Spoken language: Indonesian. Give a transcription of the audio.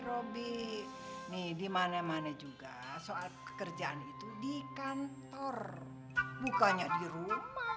robby nih di mana mana juga soal pekerjaan itu di kantor bukannya di rumah